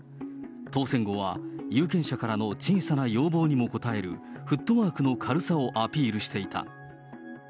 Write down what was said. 当選後は有権者からの小さな要望にも応える、フットワークの軽さをアピールしていた。